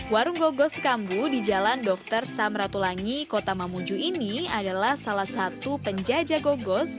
warung gogos kambu di jalan dr samratulangi kota mamuju ini adalah salah satu penjajah gogos